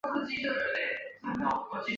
石码杨氏大夫第的历史年代为清。